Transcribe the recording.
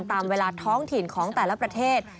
ตามเวลาท้องถิ่นของแต่ละประเทศ